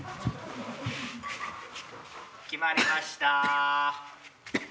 決まりました。